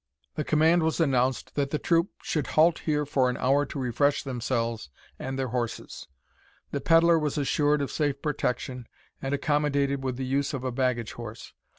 The command was announced that the troop should halt here for an hour to refresh themselves and their horses. The pedlar was assured of safe protection, and accommodated with the use of a baggage horse.